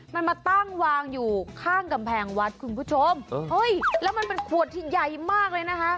มันมาตั้งวางอยู่ข้างกำแพงวัดคุณผู้ชมเฮ้ยแล้วมันเป็นขวดที่ใหญ่มากเลยนะคะ